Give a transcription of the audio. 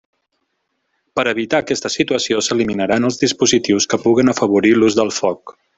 Per a evitar aquesta situació, s'eliminaran els dispositius que puguen afavorir l'ús del foc.